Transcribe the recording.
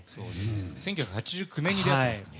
１９８９年に出会ってますからね。